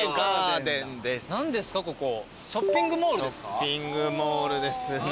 ショッピングモールですね。